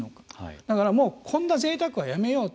だからこんなぜいたくはやめようと。